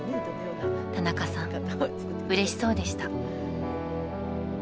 田中さん、うれしそうでした。